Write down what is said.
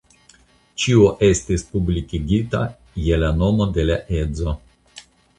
Ĉio estis publikigita je la nomo de la edzo.